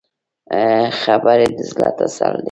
خبرې د زړه تسل دي